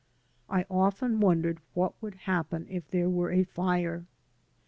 I often wondered what would happen if there were a fire.